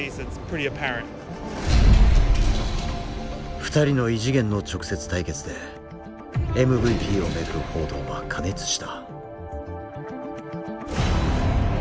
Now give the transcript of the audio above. ２人の異次元の直接対決でＭＶＰを巡る報道は過熱した。